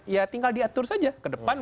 ya tinggal diatur saja ke depan